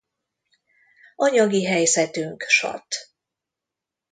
Anyagi helyzetünk sat.